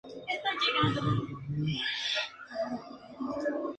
El principal uso del agua del lago de Xochimilco fue agrícola.